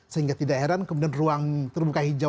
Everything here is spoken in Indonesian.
sehingga tidak heran kemudian ruang terbuka hijaunya itu